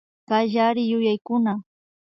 Kallariyuyaykuna